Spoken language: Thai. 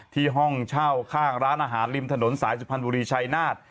ห้องเช่าข้างร้านอาหารริมถนนสายสุพรรณบุรีชายนาฏ